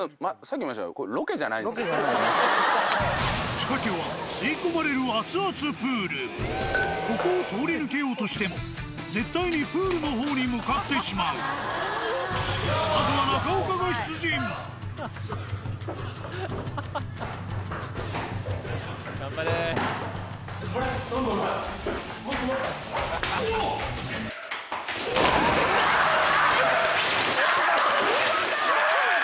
仕掛けはここを通り抜けようとしても絶対にプールのほうに向かってしまうまずはうわっ！